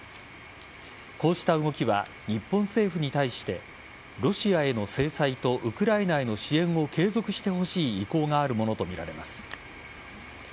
こうした動きは日本政府に対してロシアへの制裁とウクライナへの支援を継続してほしい意向があるものとみられます。